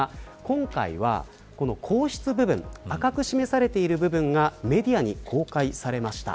今回は、赤く示されてる公室部分がメディアに公開されました。